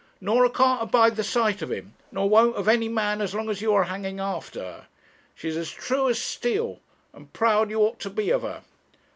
'Norah can't abide the sight of him; nor won't of any man as long as you are hanging after her. She's as true as steel, and proud you ought to be of her.'